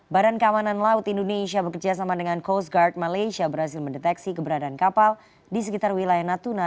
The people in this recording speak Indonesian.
badan keamanan laut indonesia bekerjasama dengan coast guard malaysia berhasil mendeteksi keberadaan kapal di sekitar wilayah natuna